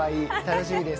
楽しみです。